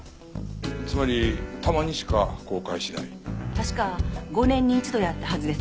確か５年に一度やったはずです。